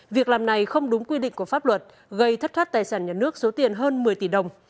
việc làm này không đúng quy định của pháp luật gây thất thoát tài sản nhà nước số tiền hơn một mươi tỷ đồng